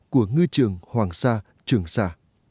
của ngư trường hoàng sa trường sa